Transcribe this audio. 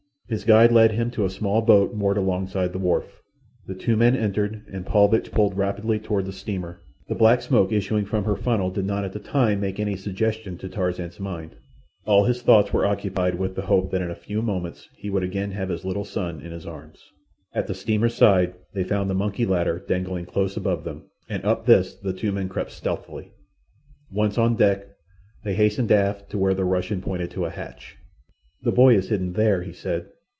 His guide led him to a small boat moored alongside the wharf. The two men entered, and Paulvitch pulled rapidly toward the steamer. The black smoke issuing from her funnel did not at the time make any suggestion to Tarzan's mind. All his thoughts were occupied with the hope that in a few moments he would again have his little son in his arms. At the steamer's side they found a monkey ladder dangling close above them, and up this the two men crept stealthily. Once on deck they hastened aft to where the Russian pointed to a hatch. "The boy is hidden there," he said.